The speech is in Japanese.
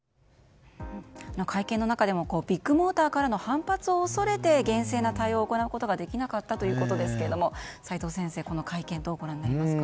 会見の中でもビッグモーターからの反発を恐れて厳正な対応を行うことができなかったということですが齋藤先生、この会見をどうご覧になりますか？